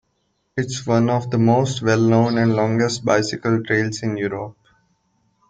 It is one of the most well-known and longest bicycle trails in Europe.